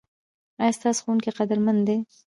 ایا ستاسو ښوونکي قدرمن دي؟